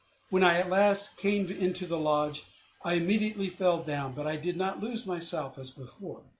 When I at last came into the lodge, I immediately fell down, but I did not lose myself as before.